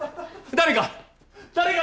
誰か！